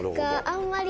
あんまり。